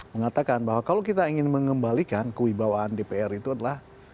mengatakan bahwa kalau kita ingin mengembalikan kewibawaan dpr itu adalah